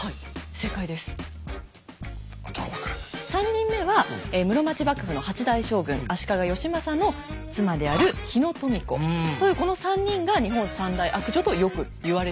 ３人目は室町幕府の８代将軍足利義政の妻である日野富子というこの３人が「日本三大悪女」とよく言われているんです。